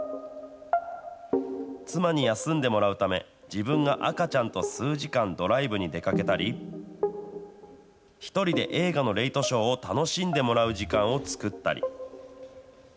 妻に休んでもらうため、自分が赤ちゃんと数時間ドライブに出かけたり、１人で映画のレイトショーを楽しんでもらう時間を作ったり。